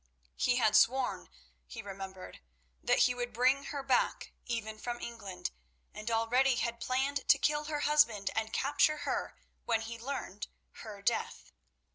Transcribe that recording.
He had sworn, he remembered, that he would bring her back even from England, and already had planned to kill her husband and capture her when he learned her death.